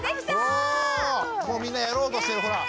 おもうみんなやろうとしてるほら。